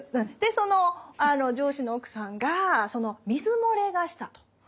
でその上司の奥さんが水漏れがしたと。